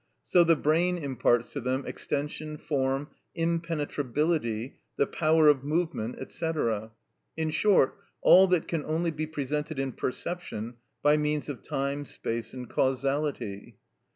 so the brain imparts to them extension, form, impenetrability, the power of movement, &c., in short all that can only be presented in perception by means of time, space, and causality.